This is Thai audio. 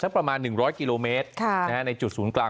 ประมาณ๑๐๐กิโลเมตรในจุดศูนย์กลาง